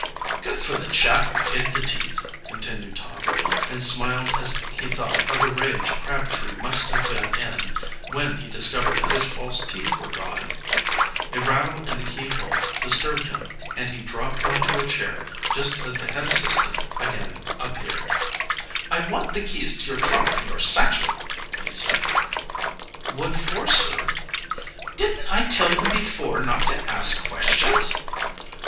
"Good for the chap who hid the teeth!" continued Tom, and smiled as he thought of the rage Crabtree must have been in when he discovered that his false teeth were gone. A rattle in the keyhole disturbed him, and he dropped onto a chair just as the head assistant again appeared. "I want the keys to your trunk and your satchel," he said. "What for, sir?" "Didn't I tell you before not to ask questions?"